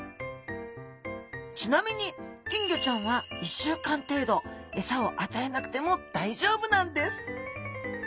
ちなみに金魚ちゃんは１週間程度エサを与えなくても大丈夫なんです。